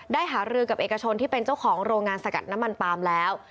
หารือกับเอกชนที่เป็นเจ้าของโรงงานสกัดน้ำมันปาล์มแล้ว